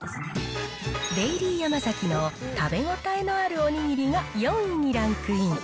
デイリーヤマザキの食べ応えのあるお握りが４位にランクイン。